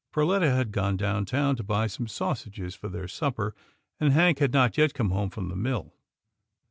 Perletta had gone down town to buy some sausages for their supper, and Hank had not yet come home from the mill.